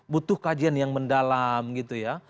butuh kajian yang mendalam gitu ya